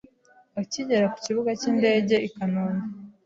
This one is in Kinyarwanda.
Akigera ku kibuga cy’indege i Kanombe,